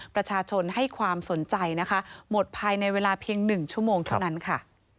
ประชาชนให้ความสนใจนะคะหมดภายในเวลาเพียง๑ชั่วโมงเท่านั้นค่ะ